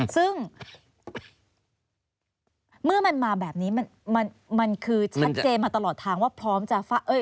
ซึ่งเมื่อมันมาแบบนี้มันคือชัดเจนมาตลอดทางว่าพร้อมจะฟาดเอ้ย